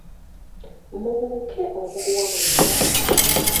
Mubuuke omuguwa mwenna.